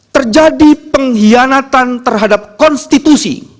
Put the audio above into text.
terjadi pengkhianatan terhadap konstitusi